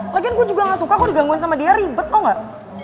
lagian gue juga gak suka kok digangguin sama dia ribet oh enggak